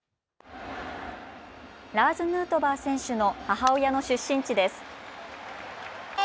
ラーズ・ヌートバー選手の母親の出身地です。